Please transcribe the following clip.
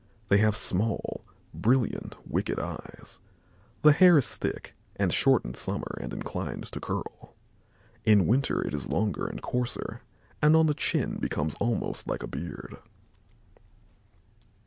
They have small, brilliant, wicked eyes; the hair is thick and short in summer and inclined to curl; in winter it is longer and coarser and on the chin becomes almost like a beard.